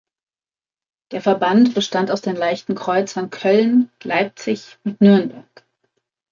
Der Verband bestand aus den Leichten Kreuzern "Köln", "Leipzig" und "Nürnberg".